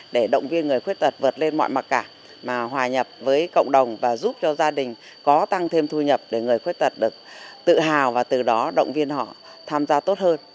để động viên người khuyết tật vượt lên mọi mặc cảm mà hòa nhập với cộng đồng và giúp cho gia đình có tăng thêm thu nhập để người khuyết tật được tự hào và từ đó động viên họ tham gia tốt hơn